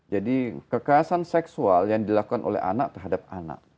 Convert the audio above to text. jadi kekerasan seksual yang dilakukan oleh anak terhadap anak